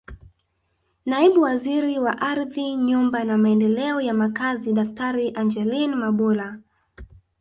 Naibu Waziri wa Ardhi Nyumba na Maendeleo ya Makazi Daktari Angeline Mabula